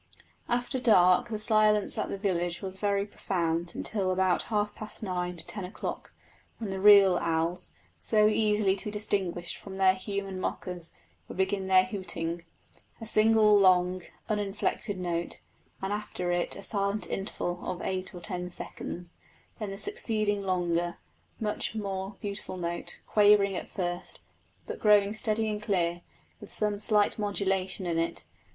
After dark the silence at the village was very profound until about half past nine to ten o'clock, when the real owls, so easily to be distinguished from their human mockers, would begin their hooting a single, long, uninflected note, and after it a silent interval of eight or ten seconds; then the succeeding longer, much more beautiful note, quavering at first, but growing steady and clear, with some slight modulation in it.